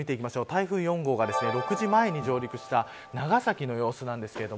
台風４号が６時前に上陸した長崎の様子です。